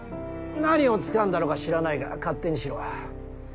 何を掴んだのか知らないが勝手にしろ。